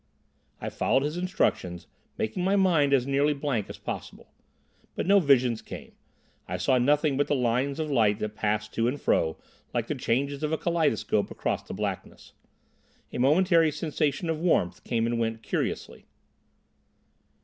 I followed his instructions, making my mind as nearly blank as possible. But no visions came. I saw nothing but the lines of light that pass to and fro like the changes of a kaleidoscope across the blackness. A momentary sensation of warmth came and went curiously.